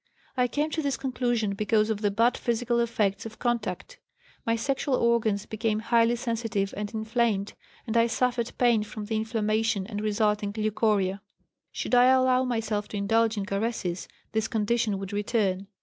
I came to this conclusion because of the bad physical effects of contact. My sexual organs became highly sensitive and inflamed and I suffered pain from the inflammation and resulting leucorrhea. Should I allow myself to indulge in caresses this condition would return.